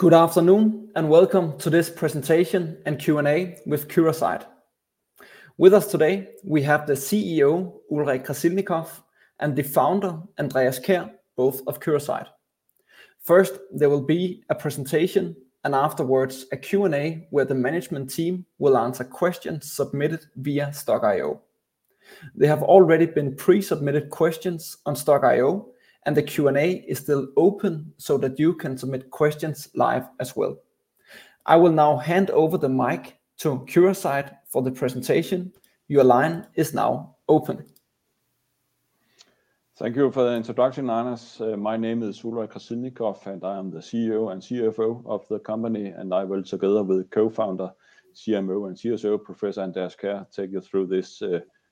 Good afternoon, and welcome to this presentation and Q&A with Curasight. With us today, we have the CEO, Ulrich Krasilnikoff, and the founder, Andreas Kjær, both of Curasight. First, there will be a presentation, and afterwards a Q&A, where the management team will answer questions submitted via Stokk.io. There have already been pre-submitted questions on Stokk.io, and the Q&A is still open so that you can submit questions live as well. I will now hand over the mic to Curasight for the presentation. Your line is now open. Thank you for the introduction, Anders. My name is Ulrich Krasilnikoff, and I am the CEO and CFO of the company, and I will, together with co-founder, CMO, and CSO, Professor Andreas Kjær, take you through this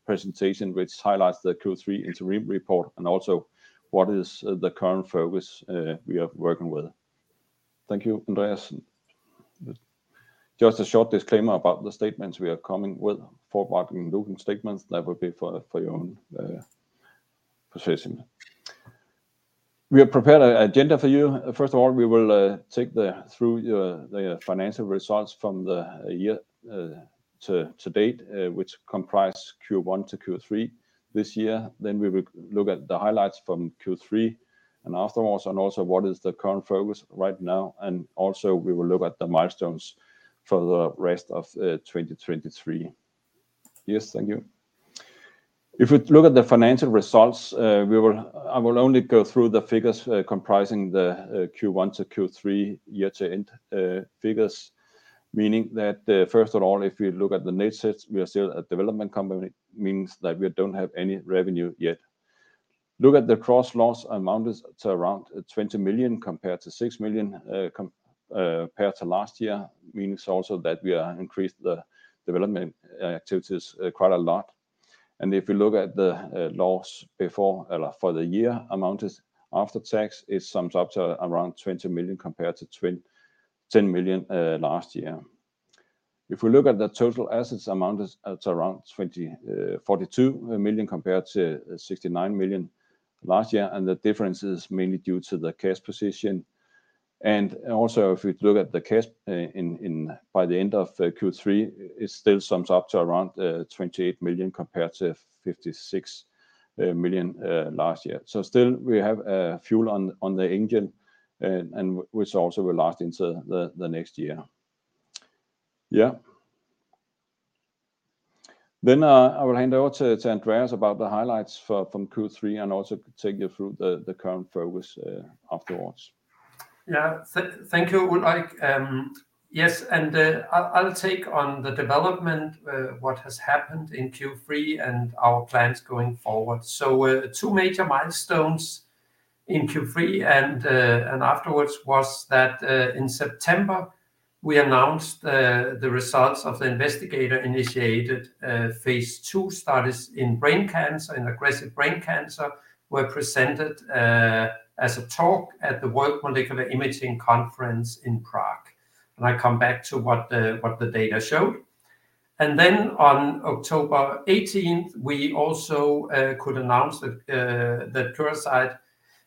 presentation, which highlights the Q3 interim report and also what is the current focus we are working with. Thank you, Andreas. Just a short disclaimer about the statements we are coming with, forward-looking statements that will be for your own positioning. We have prepared an agenda for you. First of all, we will take you through the financial results from the year to date, which comprise Q1 to Q3 this year. Then we will look at the highlights from Q3, and afterwards, and also what is the current focus right now, and also we will look at the milestones for the rest of 2023. Yes, thank you. If we look at the financial results, I will only go through the figures comprising the Q1 to Q3 year-to-date figures, meaning that first of all, if you look at the nature, we are still a development company, means that we don't have any revenue yet. Look at the gross loss amounts to around 20 million compared to 6 million compared to last year, means also that we are increased the development activities quite a lot. If you look at the loss before for the year amounts after tax, it sums up to around 20 million compared to 10 million last year. If we look at the total assets amount, it's around 42 million, compared to 69 million last year, and the difference is mainly due to the cash position. And also, if you look at the cash in by the end of Q3, it still sums up to around 28 million, compared to 56 million last year. So still we have fuel on the engine, and which also will last into the next year. Yeah. Then I will hand over to Andreas about the highlights from Q3 and also take you through the current focus afterwards. Yeah. Thank you, Ulrich. Yes, and I'll take on the development, what has happened in Q3 and our plans going forward. So, two major milestones in Q3 and afterwards was that, in September, we announced the results of the investigator-initiated Phase II studies in brain cancer, in aggressive brain cancer, were presented as a talk at the World Molecular Imaging Conference in Prague. And I come back to what the data showed. And then on October eighteenth, we also could announce that Curasight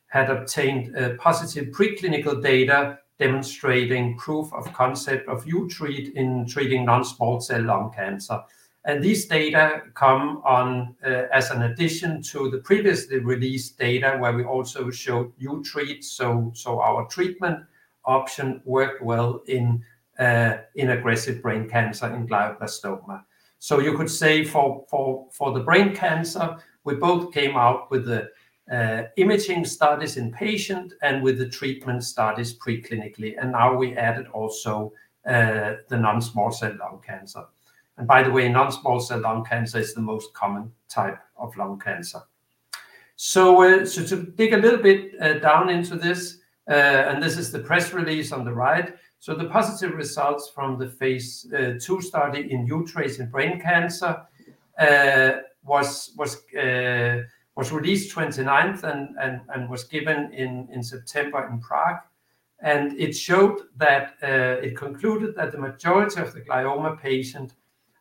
had obtained positive preclinical data demonstrating proof of concept of uTREAT in treating non-small cell lung cancer. And these data come on as an addition to the previously released data, where we also showed uTREAT. So our treatment option worked well in aggressive brain cancer, in glioblastoma. So you could say for the brain cancer, we both came out with the imaging studies in patient and with the treatment studies preclinically, and now we added also the non-small cell lung cancer. And by the way, non-small cell lung cancer is the most common type of lung cancer. So to dig a little bit down into this, and this is the press release on the right. So the positive results from the Phase II study in uTRACE and brain cancer was released twenty-ninth and was given in September in Prague. And it showed that it concluded that the majority of the glioma patient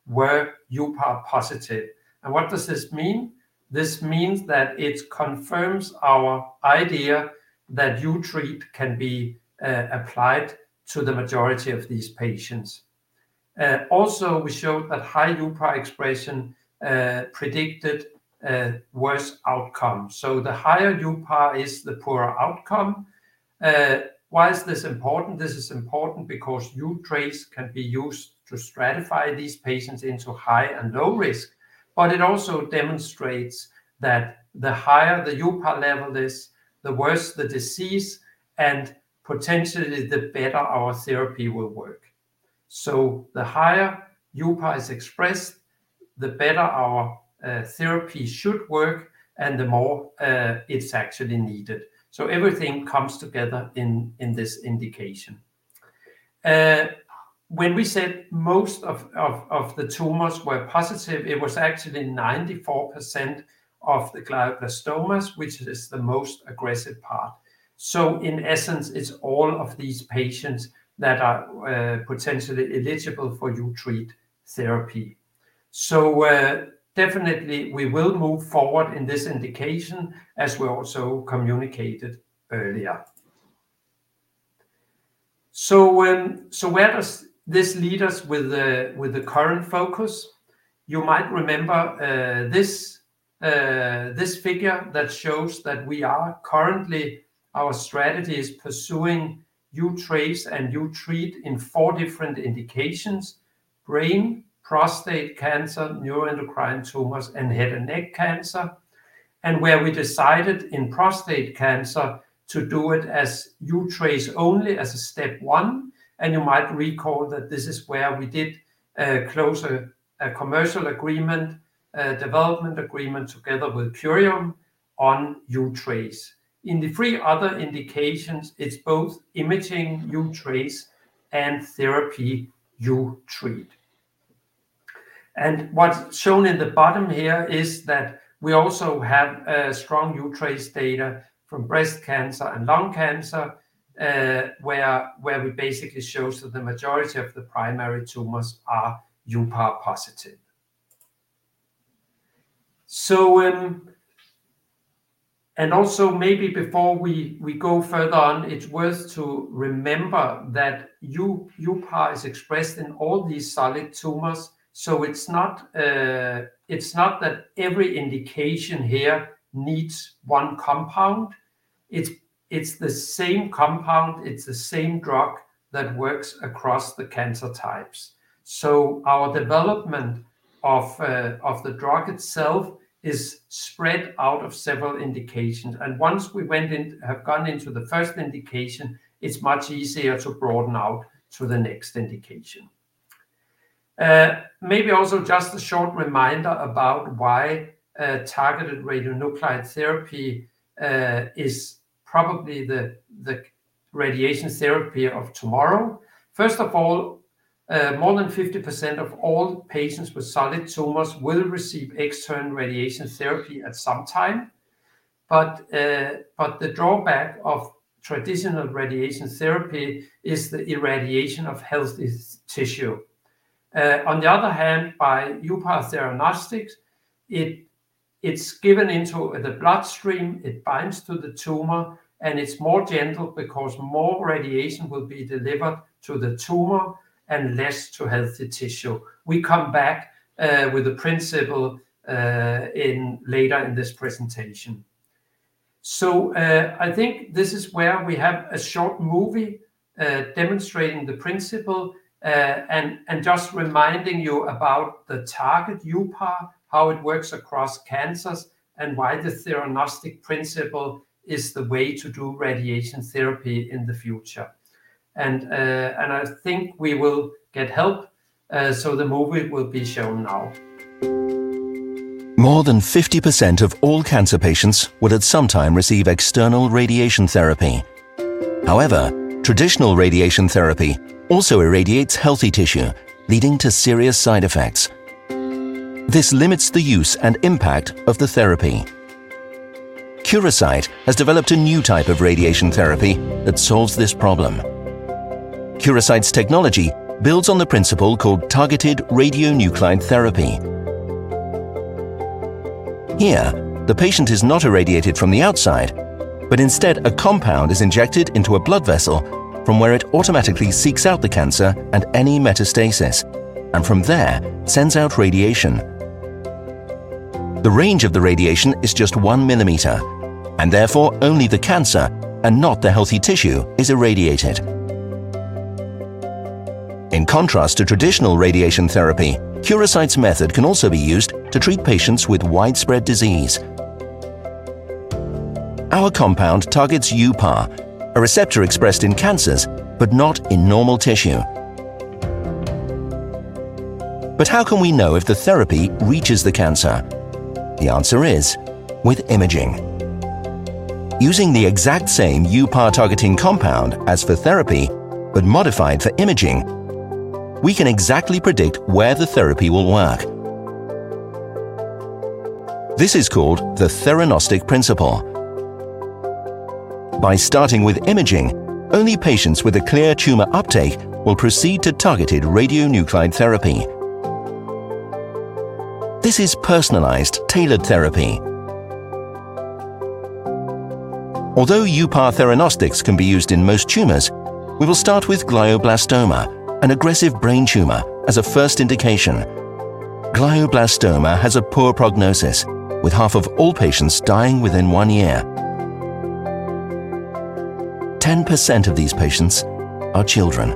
were uPAR positive. And what does this mean? This means that it confirms our idea that uTREAT can be applied to the majority of these patients. Also, we showed that high uPAR expression predicted worse outcome. So the higher uPAR is, the poorer outcome. Why is this important? This is important because uTRACE can be used to stratify these patients into high and low risk, but it also demonstrates that the higher the uPAR level is, the worse the disease and potentially the better our therapy will work. So the higher uPAR is expressed, the better our therapy should work and the more it's actually needed. So everything comes together in this indication. When we said most of the tumors were positive, it was actually 94% of the glioblastomas, which is the most aggressive part. So in essence, it's all of these patients that are, potentially eligible for uTREAT therapy.... So, definitely we will move forward in this indication, as we also communicated earlier. So where does this lead us with the current focus? You might remember, this, this figure that shows that we are currently, our strategy is pursuing uTRACE and uTREAT in four different indications: brain, prostate cancer, neuroendocrine tumors, and head and neck cancer. And where we decided in prostate cancer to do it as uTRACE only as a step one, and you might recall that this is where we did, close a, a commercial agreement, a development agreement together with Curium on uTRACE. In the three other indications, it's both imaging uTRACE and therapy uTREAT. What's shown in the bottom here is that we also have strong uTRACE data from breast cancer and lung cancer, where we basically shows that the majority of the primary tumors are uPAR positive. So when... And also, maybe before we go further on, it's worth to remember that uPAR is expressed in all these solid tumors. So it's not that every indication here needs one compound. It's the same compound, it's the same drug that works across the cancer types. So our development of the drug itself is spread out of several indications, and once we have gone into the first indication, it's much easier to broaden out to the next indication. Maybe also just a short reminder about why targeted radionuclide therapy is probably the radiation therapy of tomorrow. First of all, more than 50% of all patients with solid tumors will receive external radiation therapy at some time. But the drawback of traditional radiation therapy is the irradiation of healthy tissue. On the other hand, by uPAR Theranostics, it's given into the bloodstream, it binds to the tumor, and it's more gentle because more radiation will be delivered to the tumor and less to healthy tissue. We come back with the principle later in this presentation. So I think this is where we have a short movie demonstrating the principle and just reminding you about the target uPAR, how it works across cancers, and why the Theranostic principle is the way to do radiation therapy in the future. And I think we will get help, so the movie will be shown now. More than 50% of all cancer patients will, at some time, receive external radiation therapy. However, traditional radiation therapy also irradiates healthy tissue, leading to serious side effects. This limits the use and impact of the therapy. Curasight has developed a new type of radiation therapy that solves this problem. Curasight's technology builds on the principle called targeted radionuclide therapy. Here, the patient is not irradiated from the outside, but instead a compound is injected into a blood vessel from where it automatically seeks out the cancer and any metastasis, and from there, sends out radiation. The range of the radiation is just one millimeter, and therefore only the cancer and not the healthy tissue is irradiated. In contrast to traditional radiation therapy, Curasight's method can also be used to treat patients with widespread disease. Our compound targets uPAR, a receptor expressed in cancers but not in normal tissue. But how can we know if the therapy reaches the cancer? The answer is: with imaging. Using the exact same uPAR targeting compound as for therapy, but modified for imaging, we can exactly predict where the therapy will work. This is called the theranostic principle. By starting with imaging, only patients with a clear tumor uptake will proceed to targeted radionuclide therapy. This is personalized, tailored therapy. Although uPAR theranostics can be used in most tumors, we will start with glioblastoma, an aggressive brain tumor, as a first indication. Glioblastoma has a poor prognosis, with half of all patients dying within one year. 10% of these patients are children.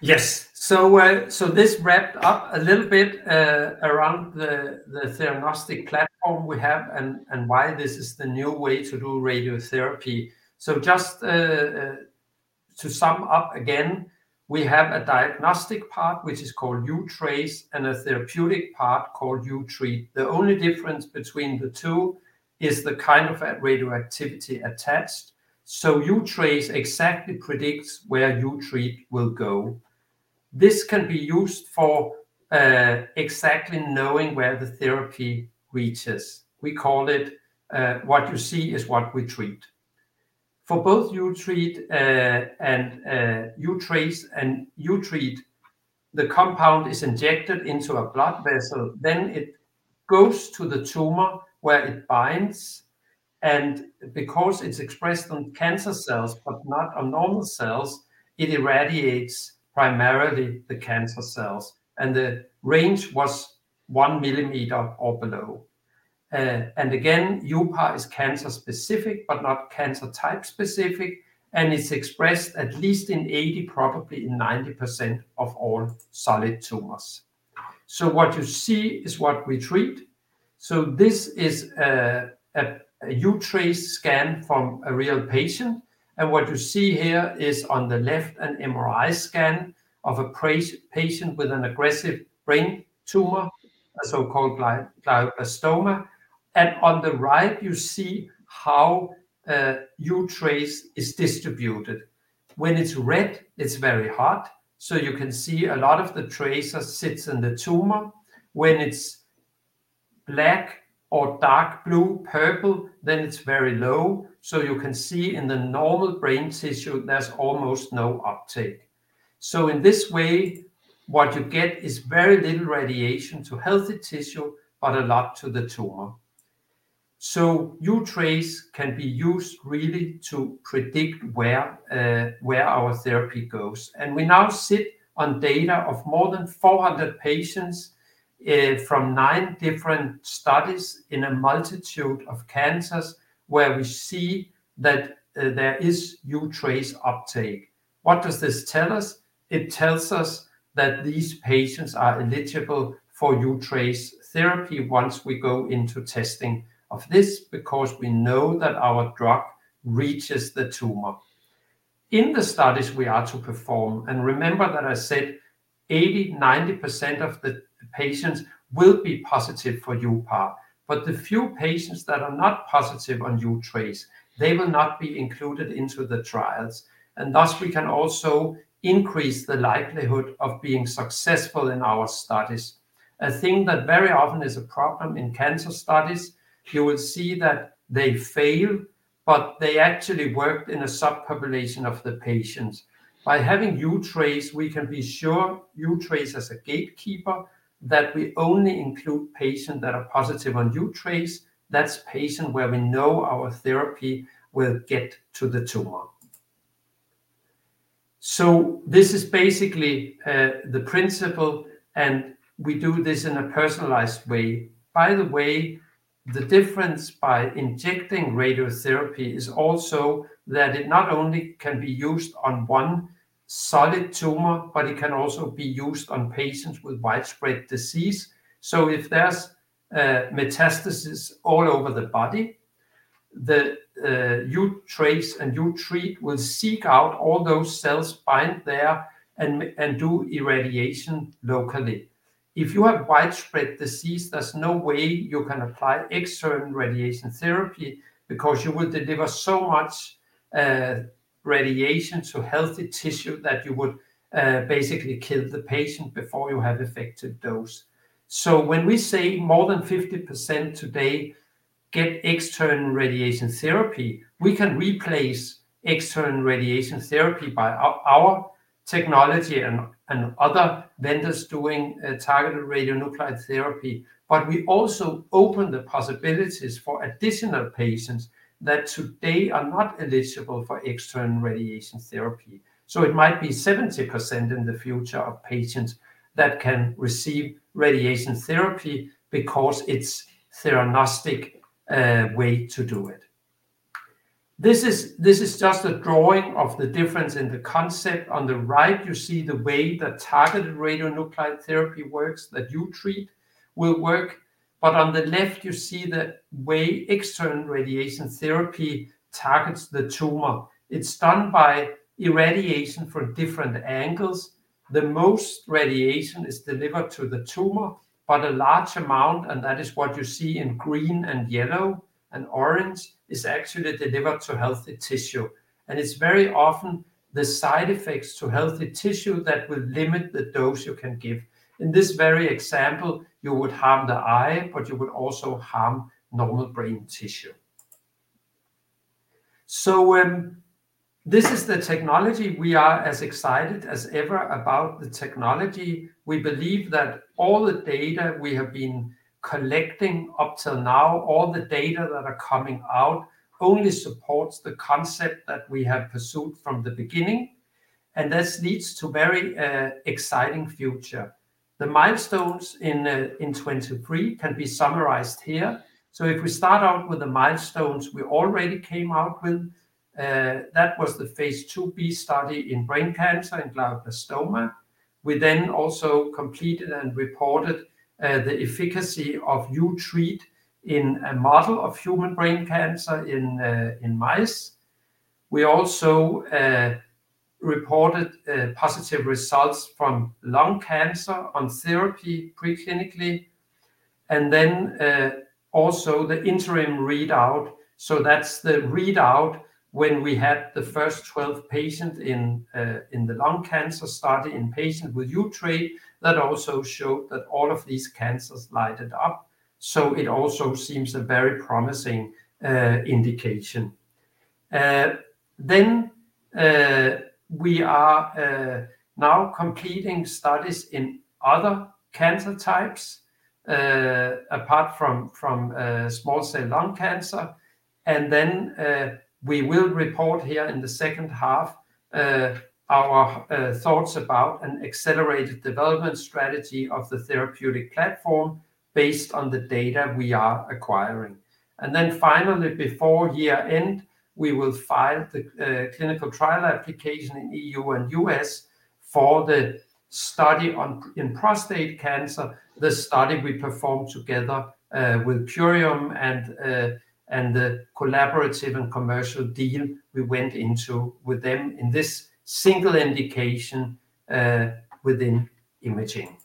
Yes. So, so this wrapped up a little bit around the, the theranostic platform we have and, and why this is the new way to do radiotherapy. So just, to sum up again, we have a diagnostic part, which is called uTRACE, and a therapeutic part called uTREAT. The only difference between the two is the kind of radioactivity attached. So uTRACE exactly predicts where uTREAT will go. This can be used for exactly knowing where the therapy reaches. We call it what you see is what we treat. For both uTREAT and uTRACE and uTREAT, the compound is injected into a blood vessel, then it goes to the tumor where it binds, and because it's expressed on cancer cells, but not on normal cells, it irradiates primarily the cancer cells, and the range was 1 millimeter or below. And again, uPAR is cancer specific, but not cancer type specific, and it's expressed at least in 80, probably in 90% of all solid tumors. So what you see is what we treat. So this is a uTRACE scan from a real patient, and what you see here is on the left, an MRI scan of a patient with an aggressive brain tumor, a so-called glioblastoma. And on the right, you see how uTRACE is distributed. When it's red, it's very hot. So you can see a lot of the tracer sits in the tumor. When it's black or dark blue, purple, then it's very low. So you can see in the normal brain tissue, there's almost no uptake. So in this way, what you get is very little radiation to healthy tissue, but a lot to the tumor. uTRACE can be used really to predict where our therapy goes. We now sit on data of more than 400 patients, from nine different studies in a multitude of cancers, where we see that there is uTRACE uptake. What does this tell us? It tells us that these patients are eligible for uTRACE therapy once we go into testing of this, because we know that our drug reaches the tumor. In the studies we are to perform, and remember that I said 80%-90% of the patients will be positive for uPAR, but the few patients that are not positive on uTRACE, they will not be included into the trials, and thus we can also increase the likelihood of being successful in our studies. A thing that very often is a problem in cancer studies, you will see that they fail, but they actually worked in a subpopulation of the patients. By having uTRACE, we can be sure, uTRACE as a gatekeeper, that we only include patients that are positive on uTRACE. That's patient where we know our therapy will get to the tumor. So this is basically the principle, and we do this in a personalized way. By the way, the difference by injecting radiotherapy is also that it not only can be used on one solid tumor, but it can also be used on patients with widespread disease. So if there's metastasis all over the body, the uTRACE and uTREAT will seek out all those cells, bind there, and do irradiation locally. If you have widespread disease, there's no way you can apply external radiation therapy, because you would deliver so much radiation to healthy tissue that you would basically kill the patient before you have affected those. So when we say more than 50% today get external radiation therapy, we can replace external radiation therapy by our technology and other vendors doing targeted radionuclide therapy. But we also open the possibilities for additional patients that today are not eligible for external radiation therapy. So it might be 70% in the future of patients that can receive radiation therapy because it's theranostic way to do it. This is just a drawing of the difference in the concept. On the right, you see the way that targeted radionuclide therapy works, that uTREAT will work. But on the left, you see the way external radiation therapy targets the tumor. It's done by irradiation from different angles. The most radiation is delivered to the tumor, but a large amount, and that is what you see in green and yellow, and orange, is actually delivered to healthy tissue. And it's very often the side effects to healthy tissue that will limit the dose you can give. In this very example, you would harm the eye, but you would also harm normal brain tissue. So, this is the technology. We are as excited as ever about the technology. We believe that all the data we have been collecting up till now, all the data that are coming out, only supports the concept that we have pursued from the beginning, and this leads to very exciting future. The milestones in 2023 can be summarized here. So if we start out with the milestones we already came out with, that was the Phase IIb study in brain cancer, in glioblastoma. We then also completed and reported the efficacy of uTREAT in a model of human brain cancer in mice. We also reported positive results from lung cancer on therapy preclinically and then also the interim readout. So that's the readout when we had the first 12 patients in the lung cancer study in patients with uTREAT that also showed that all of these cancers lighted up. So it also seems a very promising indication. Then we are now completing studies in other cancer types apart from small cell lung cancer. Then we will report here in the second half our thoughts about an accelerated development strategy of the therapeutic platform based on the data we are acquiring. Then finally, before year-end, we will file the clinical trial application in EU and US for the study in prostate cancer. The study we performed together with Curium and the collaborative and commercial deal we went into with them in this single indication within imaging.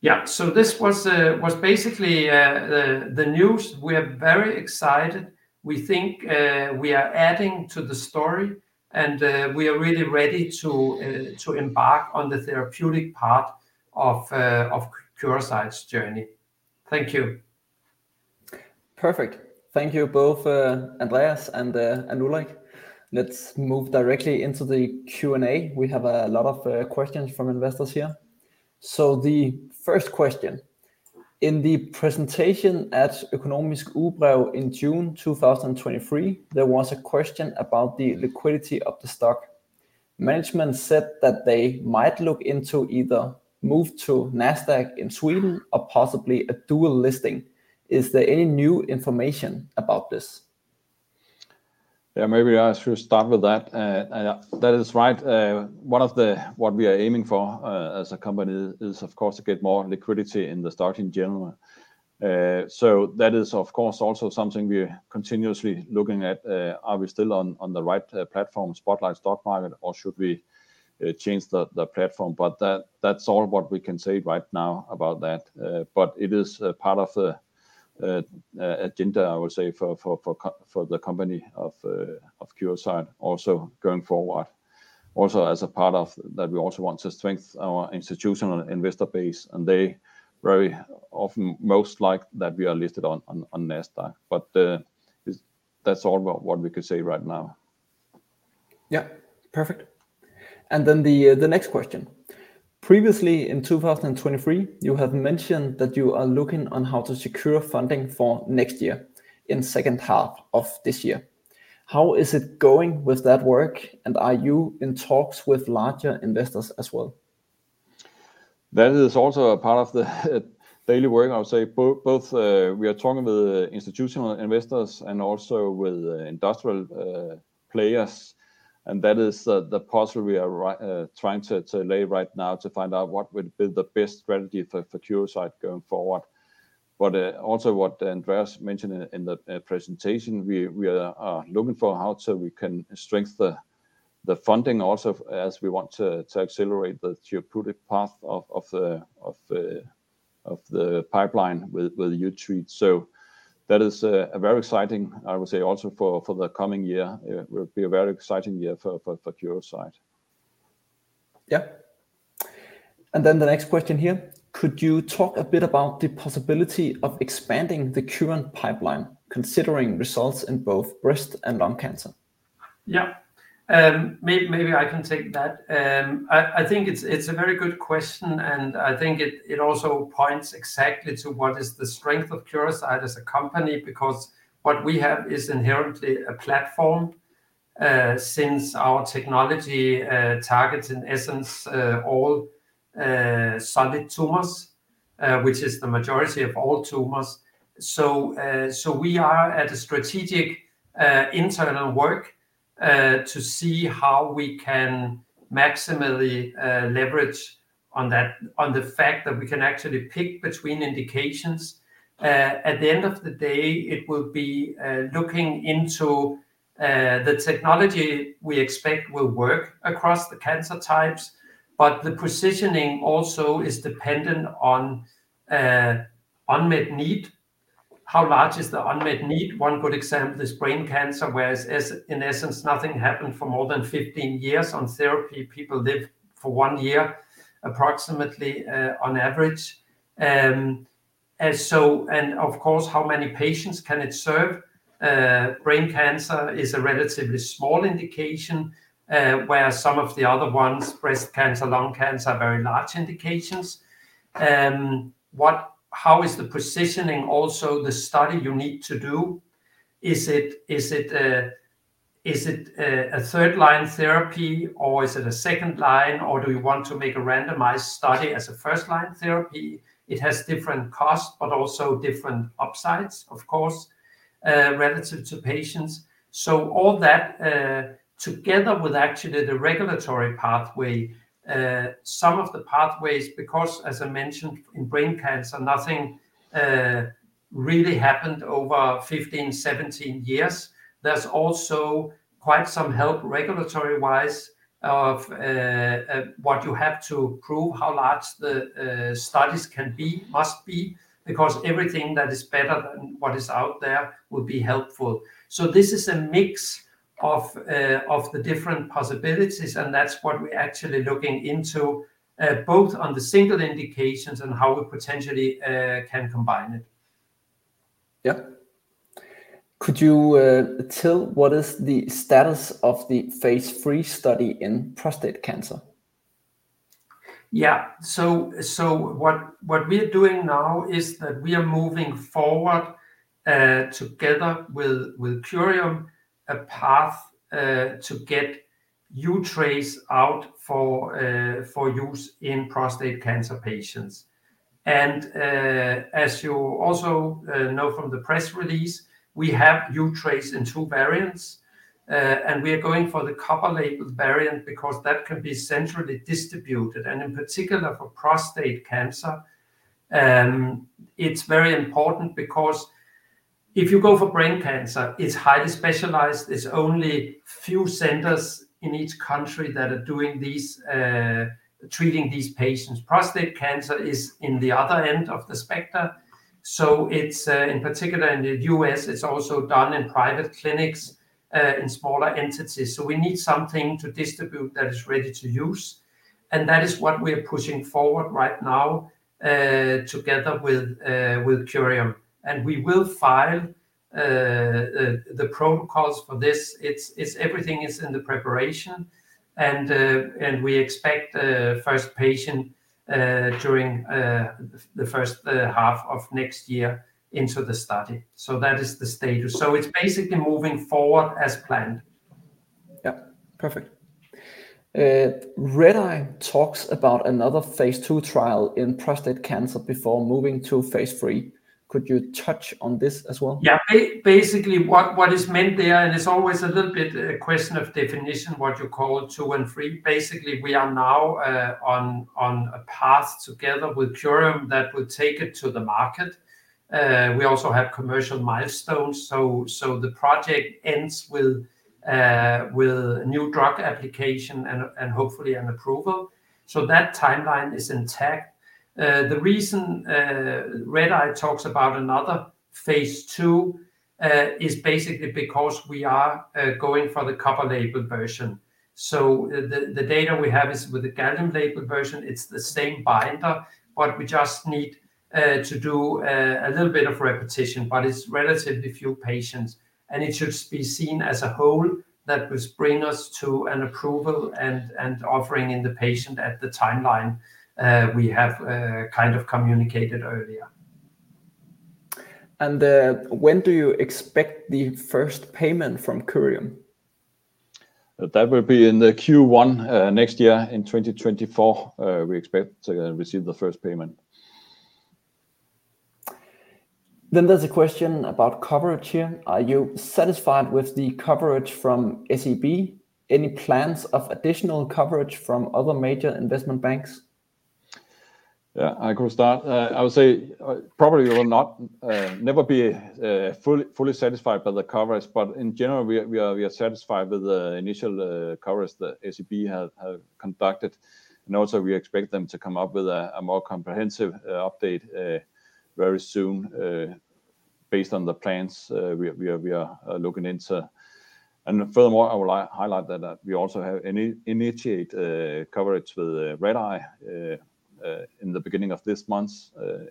Yeah, so this was basically the news. We are very excited. We think we are adding to the story, and we are really ready to embark on the therapeutic part of Curasight's journey. Thank you. Perfect. Thank you both, Andreas and Ulrich. Let's move directly into the Q&A. We have a lot of questions from investors here. So the first question: In the presentation at Okonomisk Udvalg in June 2023, there was a question about the liquidity of the stock. Management said that they might look into either move to Nasdaq in Sweden or possibly a dual listing. Is there any new information about this? Yeah, maybe I should start with that. That is right. One of what we are aiming for, as a company is, of course, to get more liquidity in the stock in general. So that is of course also something we are continuously looking at. Are we still on the right platform, Spotlight Stock Market, or should we change the platform? But that, that's all what we can say right now about that. But it is a part of the agenda, I would say, for the company of Curasight also going forward. Also, as a part of that, we also want to strengthen our institutional investor base, and they very often most like that we are listed on Nasdaq, but that's all what we could say right now. Yeah, perfect. And then the next question: Previously in 2023, you have mentioned that you are looking on how to secure funding for next year, in second half of this year. How is it going with that work, and are you in talks with larger investors as well? That is also a part of the daily work. I would say both, we are talking with institutional investors and also with industrial players, and that is the puzzle we are trying to lay right now to find out what would be the best strategy for Curasight going forward. But, also what Andreas mentioned in the presentation, we are looking for how we can strengthen the funding also, as we want to accelerate the therapeutic path of the pipeline with uTREAT. So that is a very exciting, I would say, also for the coming year. It will be a very exciting year for Curasight. Yeah. And then the next question here: Could you talk a bit about the possibility of expanding the current pipeline, considering results in both breast and lung cancer? Yeah, maybe I can take that. I think it's a very good question, and I think it also points exactly to what is the strength of Curasight as a company, because what we have is inherently a platform, since our technology targets in essence all solid tumors, which is the majority of all tumors. So, we are at a strategic internal work to see how we can maximally leverage on that, on the fact that we can actually pick between indications. At the end of the day, it will be looking into the technology we expect will work across the cancer types, but the positioning also is dependent on unmet need. How large is the unmet need? One good example is brain cancer, whereas as in essence, nothing happened for more than 15 years on therapy. People live for 1 year, approximately, on average. And so, of course, how many patients can it serve? Brain cancer is a relatively small indication, whereas some of the other ones, breast cancer, lung cancer, are very large indications. How is the positioning, also the study you need to do? Is it a third-line therapy, or is it a second line, or do you want to make a randomized study as a first-line therapy? It has different costs, but also different upsides, of course, relative to patients. So all that, together with actually the regulatory pathway, some of the pathways, because as I mentioned in brain cancer, nothing really happened over 15, 17 years. There's also quite some help regulatory-wise of, what you have to prove, how large the, studies can be, must be, because everything that is better than what is out there will be helpful. So this is a mix of, of the different possibilities, and that's what we're actually looking into, both on the single indications and how we potentially, can combine it. Yeah. Could you tell what is the status of the Phase III study in prostate cancer? Yeah. So what we are doing now is that we are moving forward together with Curium a path to get uTRACE out for use in prostate cancer patients. And as you also know from the press release, we have uTRACE in two variants. And we are going for the copper-labeled variant, because that can be centrally distributed, and in particular for prostate cancer. It's very important because if you go for brain cancer, it's highly specialized. There's only a few centers in each country that are doing these, treating these patients. Prostate cancer is in the other end of the spectra, so it's in particular in the U.S., it's also done in private clinics in smaller entities. So we need something to distribute that is ready to use, and that is what we are pushing forward right now, together with Curium. And we will file the protocols for this. Everything is in the preparation, and we expect the first patient during the first half of next year into the study. So that is the status. It's basically moving forward as planned. Yeah, perfect. Redeye talks about another phase II trial in prostate cancer before moving to phase III. Could you touch on this as well? Yeah. Basically, what is meant there, and it's always a little bit a question of definition, what you call two and three. Basically, we are now on a path together with Curium that would take it to the market. We also have commercial milestones, so the project ends with a new drug application and hopefully an approval. So that timeline is intact. The reason Redeye talks about another phase II is basically because we are going for the copper-labeled version. So the data we have is with the gallium-labeled version. It's the same binder, but we just need to do a little bit of repetition, but it's relatively few patients, and it should be seen as a whole that will bring us to an approval and offering in the patient at the timeline we have kind of communicated earlier. When do you expect the first payment from Curium? That will be in the Q1 next year. In 2024, we expect to receive the first payment. There's a question about coverage here. Are you satisfied with the coverage from SEB? Any plans of additional coverage from other major investment banks? Yeah, I can start. I would say, probably we will not never be fully satisfied by the coverage, but in general, we are satisfied with the initial coverage that SEB have conducted. And also we expect them to come up with a more comprehensive update very soon, based on the plans we are looking into. And furthermore, I would like highlight that we also have initiate coverage with Redeye in the beginning of this month,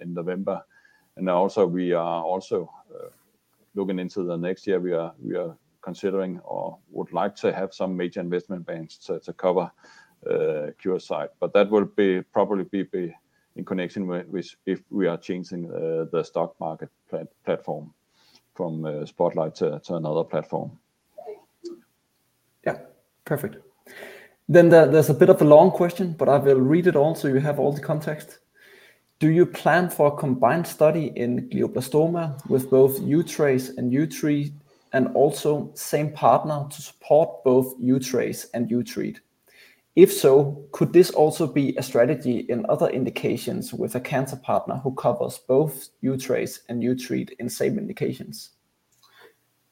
in November. And also, we are also looking into the next year. We are considering or would like to have some major investment banks to cover Curasight, but that will probably be in connection with, if we are changing the stock market platform from Spotlight to another platform. Yeah, perfect. Then there, there's a bit of a long question, but I will read it all so you have all the context. Do you plan for a combined study in glioblastoma with both uTRACE and uTREAT, and also same partner to support both uTRACE and uTREAT? If so, could this also be a strategy in other indications with a cancer partner who covers both uTRACE and uTREAT in same indications?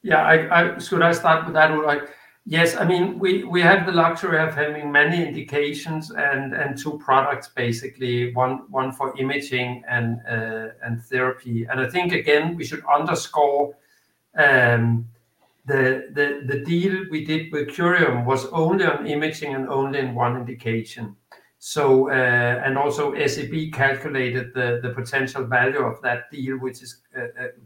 Yeah, I should start with that one, Ulrich? Yes. I mean, we have the luxury of having many indications and two products, basically. One for imaging and therapy. And I think, again, we should underscore the deal we did with Curium was only on imaging and only in one indication. So, and also, SEB calculated the potential value of that deal, which is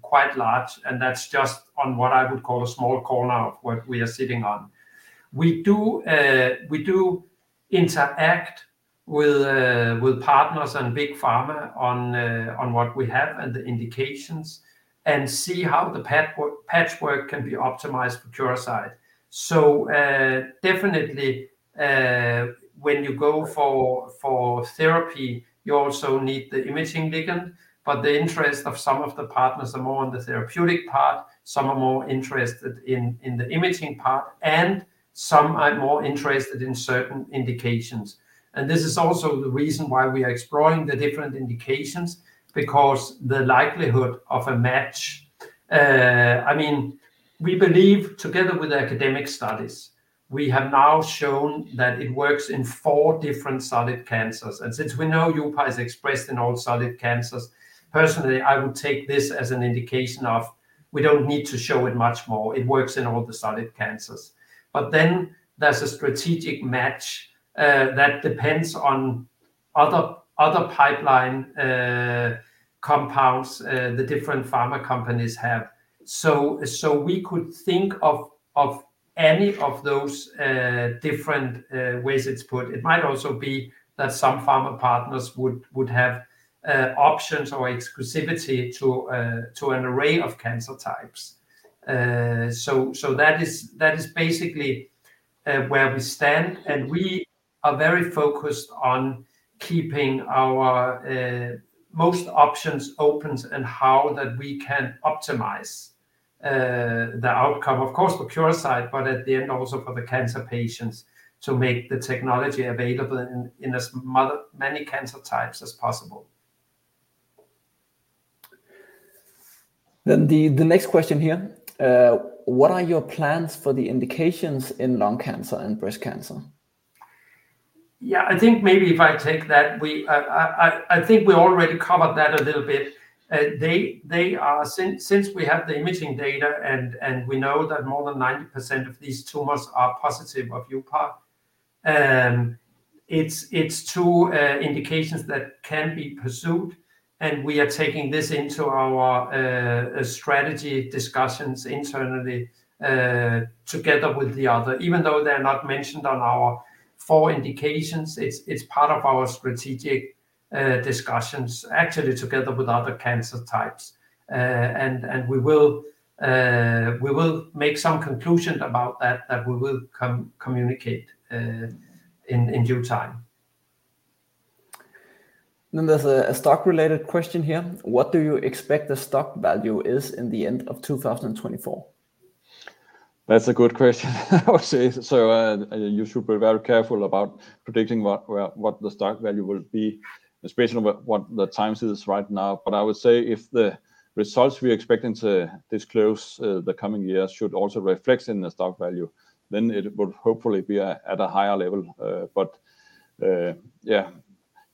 quite large, and that's just on what I would call a small corner of what we are sitting on. We interact with partners and big pharma on what we have and the indications and see how the patchwork can be optimized for Curasight. So, definitely, when you go for therapy, you also need the imaging ligand, but the interest of some of the partners are more on the therapeutic part, some are more interested in the imaging part, and some are more interested in certain indications. And this is also the reason why we are exploring the different indications, because the likelihood of a match- I mean, we believe together with the academic studies, we have now shown that it works in four different solid cancers. And since we know uPAR is expressed in all solid cancers, personally, I would take this as an indication of we don't need to show it much more. It works in all the solid cancers. But then there's a strategic match that depends on other pipeline compounds the different pharma companies have. So we could think of any of those different ways it's put. It might also be that some pharma partners would have options or exclusivity to an array of cancer types. So that is basically where we stand, and we are very focused on keeping our most options open and how that we can optimize the outcome. Of course, for Curasight, but at the end also for the cancer patients, to make the technology available in as many cancer types as possible. Then the next question here: What are your plans for the indications in lung cancer and breast cancer? Yeah, I think maybe if I take that, we... I think we already covered that a little bit. They are, since we have the imaging data and we know that more than 90% of these tumors are positive of UPA, it's two indications that can be pursued, and we are taking this into our strategy discussions internally, together with the other. Even though they're not mentioned on our four indications, it's part of our strategic discussions, actually together with other cancer types. And we will make some conclusion about that that we will communicate in due time. Then there's a stock-related question here: What do you expect the stock value is in the end of 2024? That's a good question, I would say. So, you should be very careful about predicting what the stock value will be, especially what the time is right now. But I would say if the results we're expecting to disclose the coming years should also reflect in the stock value, then it would hopefully be at a higher level. Yeah,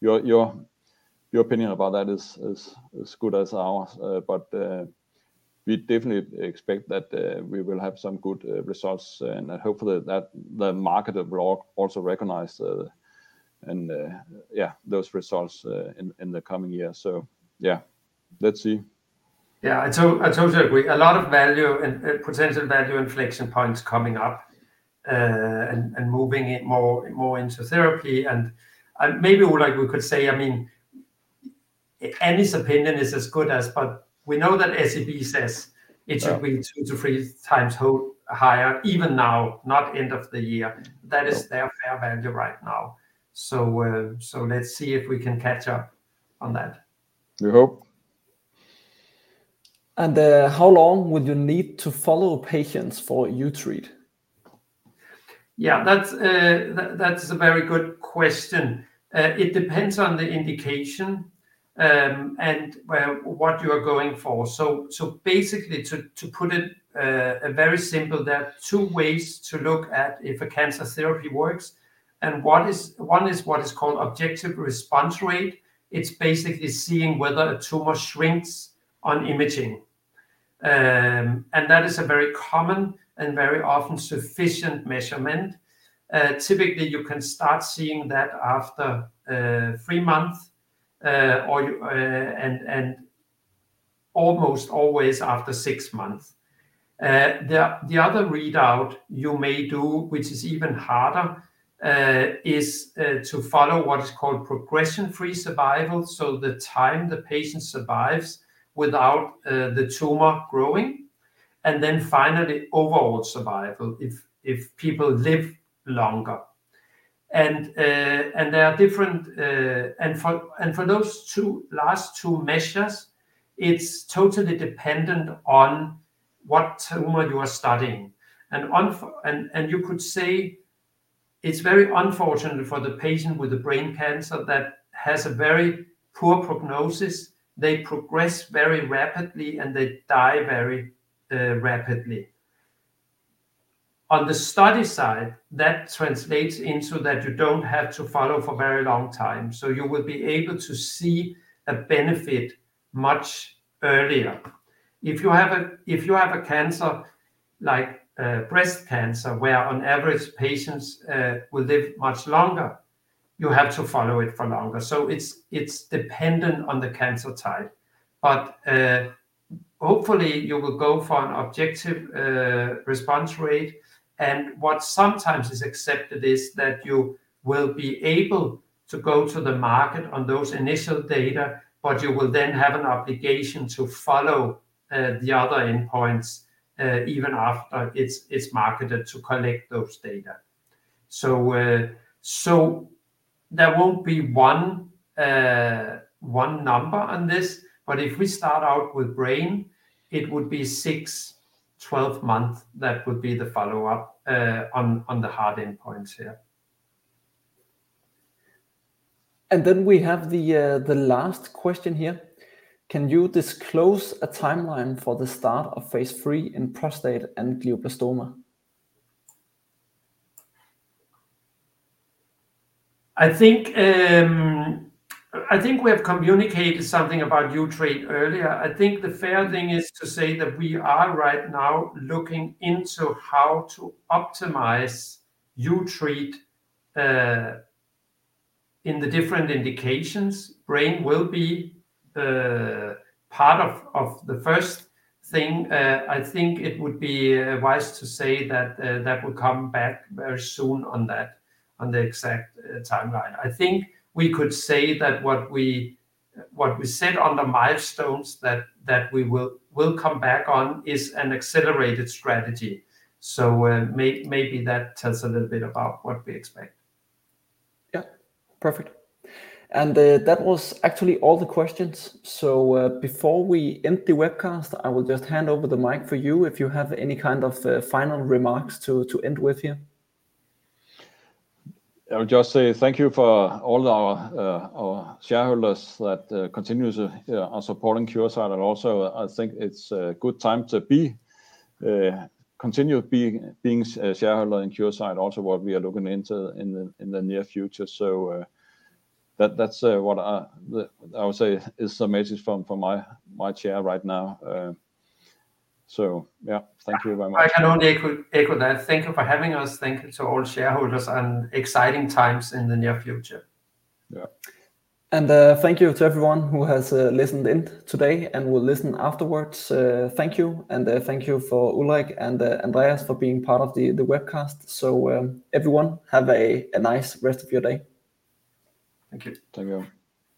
your opinion about that is as good as ours. But we definitely expect that we will have some good results, and hopefully that the market will also recognize, and yeah, those results in the coming years. So, yeah, let's see. Yeah, I totally agree. A lot of value and potential value inflection points coming up, and moving it more into therapy. And maybe, like we could say, I mean, any opinion is as good as... but we know that SEB says- Yeah... it should be 2-3 times fold higher even now, not end of the year. Yeah. That is their fair value right now. So, let's see if we can catch up on that. We hope. How long would you need to follow patients for uTREAT®? Yeah, that's a very good question. It depends on the indication, and what you are going for. So basically, to put it very simple, there are two ways to look at if a cancer therapy works, and one is what is called objective response rate. It's basically seeing whether a tumor shrinks on imaging. And that is a very common and very often sufficient measurement. Typically, you can start seeing that after three months, or and almost always after six months. The other readout you may do, which is even harder, is to follow what is called progression-free survival, so the time the patient survives without the tumor growing, and then finally, overall survival, if people live longer. And there are different... For those two last two measures, it's totally dependent on what tumor you are studying. You could say it's very unfortunate for the patient with a brain cancer that has a very poor prognosis. They progress very rapidly, and they die very rapidly. On the study side, that translates into that you don't have to follow for a very long time, so you will be able to see a benefit much earlier. If you have a cancer like breast cancer, where on average, patients will live much longer, you have to follow it for longer. It's dependent on the cancer type. Hopefully, you will go for an objective response rate, and what sometimes is accepted is that you will be able to go to the market on those initial data, but you will then have an obligation to follow the other endpoints even after it's marketed to collect those data. So there won't be one number on this, but if we start out with brain, it would be six, 12 months. That would be the follow-up on the hard endpoints here.... And then we have the last question here: Can you disclose a timeline for the start of Phase 3 in prostate and Glioblastoma? I think, I think we have communicated something about uTREAT earlier. I think the fair thing is to say that we are right now looking into how to optimize uTREAT in the different indications. Brain will be part of the first thing. I think it would be wise to say that that will come back very soon on that, on the exact timeline. I think we could say that what we said on the milestones that we will come back on is an accelerated strategy. So, maybe that tells a little bit about what we expect. Yeah, perfect. That was actually all the questions. Before we end the webcast, I will just hand over the mic for you if you have any kind of final remarks to end with here. I would just say thank you for all our our shareholders that continues on supporting Curasight. And also, I think it's a good time to be continue being a shareholder in Curasight, also what we are looking into in the near future. So, that's what I would say is the message from my chair right now. So yeah, thank you very much. I can only echo, echo that. Thank you for having us. Thank you to all shareholders, and exciting times in the near future. Yeah. Thank you to everyone who has listened in today and will listen afterwards. Thank you, and thank you to Ulrich and Andreas for being part of the webcast. Everyone, have a nice rest of your day. Thank you. Thank you.